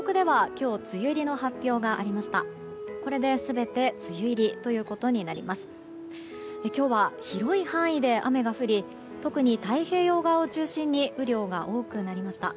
今日は広い範囲で雨が降り特に太平洋側を中心に雨量が多くなりました。